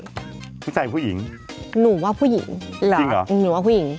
ผู้ชายหรือผู้หญิงจริงเหรอหนูว่าผู้หญิงหนูว่าผู้หญิง